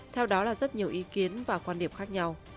theo đó là rất nhiều ý kiến và quan điểm khác nhau